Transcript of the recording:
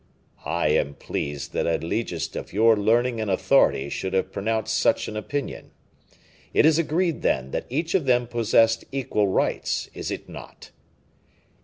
"I am pleased that a legist of your learning and authority should have pronounced such an opinion. It is agreed, then, that each of them possessed equal rights, is it not?"